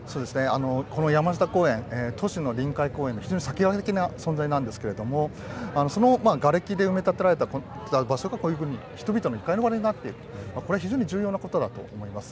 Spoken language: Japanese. この山下公園、都市の臨海公園の非常に先駆け的な存在なんですが、そのがれきで埋め立てられた場所がこういうふうに人々の憩いの場になっている、これは非常に重要なことだと思います。